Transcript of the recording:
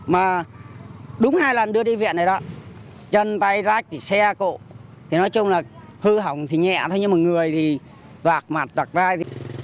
mà đúng hai lần đưa đi viện này đó chân tay rác thì xe cộ thì nói chung là hư hỏng thì nhẹ thôi nhưng mà người thì vạc mặt tạc vai đi